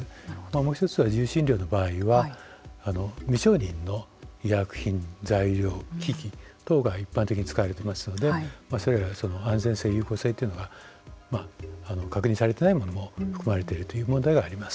もう一つは、自由診療の場合は未承認の医薬品、材料、機器等が一般的に使われていますのでそれらの安全性・有効性というのが確認されてないものも含まれているという問題があります。